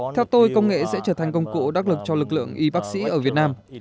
theo tôi công nghệ sẽ trở thành công cụ đắc lực cho lực lượng y bác sĩ ở việt nam